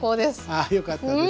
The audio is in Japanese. ああよかったです。